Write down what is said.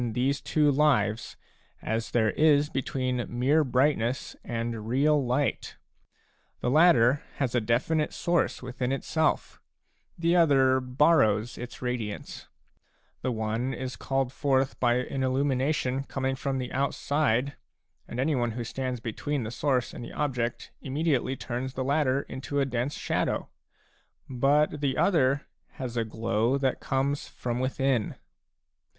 these two lives as there is between mere brightness and real light ; the latter has a definite source within itself, the other borrows its radiance ; the one is called forth by an illumination coming from the outside, and anyone who stands between the source and the object immediately turns the latter into a dense shadow ; but the other has a glow that comes from within.